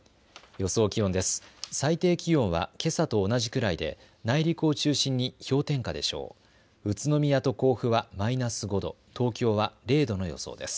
予想気温です。